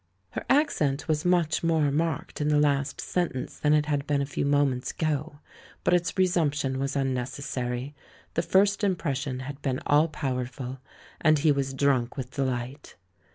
Her accent was much more marked in the last sentence than it had been a few mo:i:ents ago, but its resumption was unnecessary ; the first im pression had been all powerful, and he was drunk with delight.